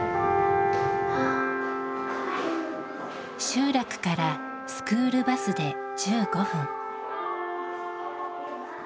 集落からスクールバスで１５分。